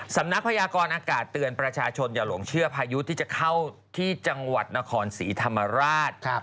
พยากรอากาศเตือนประชาชนอย่าหลงเชื่อพายุที่จะเข้าที่จังหวัดนครศรีธรรมราช